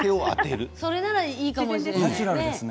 それならいいかもしれないですね。